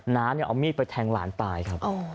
น้าเอามีดไปแทงหลานตายครับ